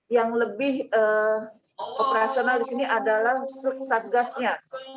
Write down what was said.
yang lebih operasional di sini adalah sub satgasnya